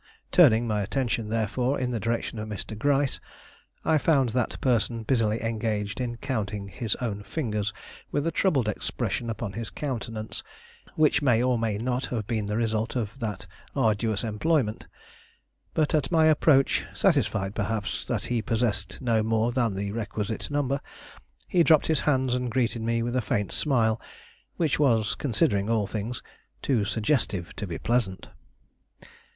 Turning my attention, therefore, in the direction of Mr. Gryce, I found that person busily engaged in counting his own fingers with a troubled expression upon his countenance, which may or may not have been the result of that arduous employment. But, at my approach, satisfied perhaps that he possessed no more than the requisite number, he dropped his hands and greeted me with a faint smile which was, considering all things, too suggestive to be pleasant.